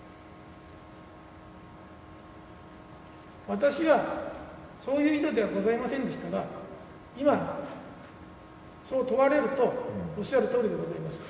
私はそういう意図ではございませんでしたが、今、そう問われると、おっしゃるとおりでございました。